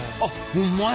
ほんまや。